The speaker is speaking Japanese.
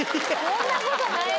そんなことない。